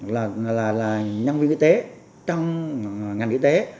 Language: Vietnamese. là là là nhân viên y tế trong ngành y tế